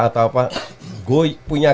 atau apa gue punya